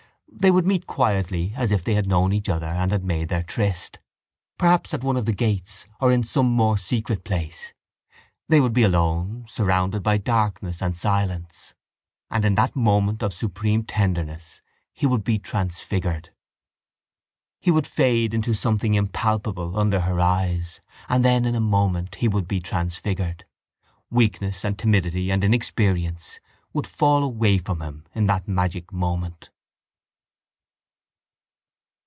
They would meet quietly as if they had known each other and had made their tryst, perhaps at one of the gates or in some more secret place. They would be alone, surrounded by darkness and silence: and in that moment of supreme tenderness he would be transfigured. He would fade into something impalpable under her eyes and then in a moment, he would be transfigured. Weakness and timidity and inexperience would fall from him in that magic moment.